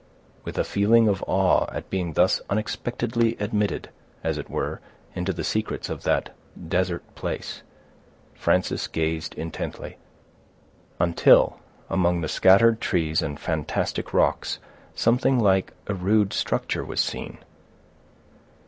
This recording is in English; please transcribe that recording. With a feeling of awe at being thus unexpectedly admitted, as it were, into the secrets of that desert place, Frances gazed intently, until, among the scattered trees and fantastic rocks, something like a rude structure was seen.